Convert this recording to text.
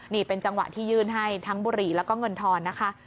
นี่เป็นจังหวะที่ยื่นให้ทั้งบุหรี่แล้วก็เงินทอนนะคะ